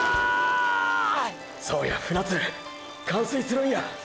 そうや船津完遂するんや！！